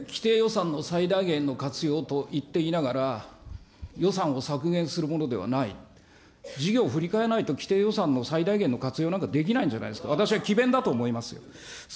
きてい予算の最大限の活用と言っていながら、予算を削減するものではない、事業をふりかえないと既定予算の最大限の活用なんかできないんじゃないですか、私は詭弁だと思いますよ。